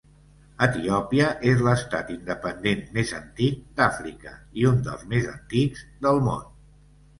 Etiòpia és l'estat independent més antic d'Àfrica i un dels més antics del món.